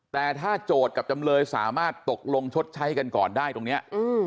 แต่ถ้าโจทย์กับจำเลยสามารถตกลงชดใช้กันก่อนได้ตรงนี้